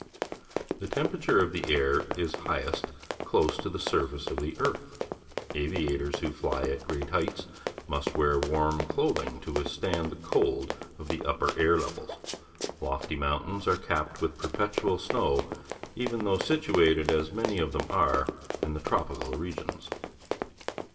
The temperature of the air is highest close to the surface of the earth. Aviators who fly at great heights must wear warm clothing to withstand the cold of the upper air levels. Lofty mountains are capped with perpetual snow, even though situated, as many of them are, in the tropical regions.